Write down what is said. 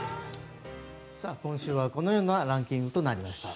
今週はこのようなランキングとなりました。